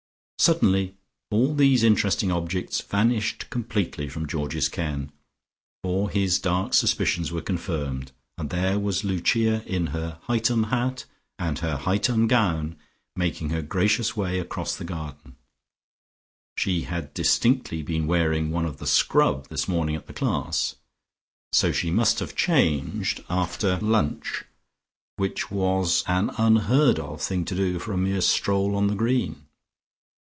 Suddenly all these interesting objects vanished completely from Georgie's ken, for his dark suspicions were confirmed, and there was Lucia in her "Hightum" hat and her "Hightum" gown making her gracious way across the green. She had distinctly been wearing one of the "Scrub" this morning at the class, so she must have changed after lunch, which was an unheard of thing to do for a mere stroll on the green.